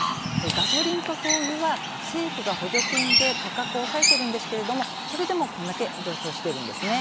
ガソリンと灯油は政府が補助金で価格を抑えているんですけれどもそれでもこれだけ上昇しているんです。